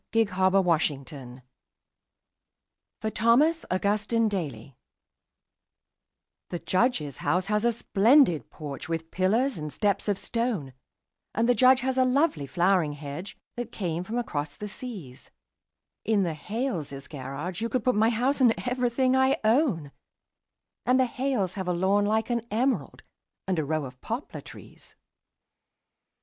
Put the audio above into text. The Snowman in the Yard (For Thomas Augustine Daly) The Judge's house has a splendid porch, with pillars and steps of stone, And the Judge has a lovely flowering hedge that came from across the seas; In the Hales' garage you could put my house and everything I own, And the Hales have a lawn like an emerald and a row of poplar trees.